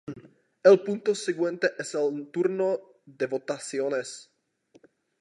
El punto siguiente es el turno de votaciones.